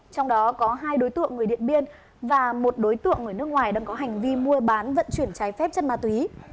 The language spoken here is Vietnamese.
trong đó có hai đối tượng người điện biên và một đối tượng người nước ngoài đang có hành vi mua bán vận chuyển trái phép chất ma túy